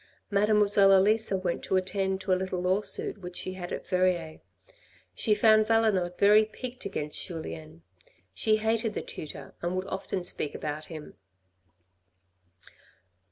Mademoiselle Elisa went to attend to a little lawsuit which she had at Verrieres. She found Valenod very piqued against Julien. She hated the tutor and would often speak about him.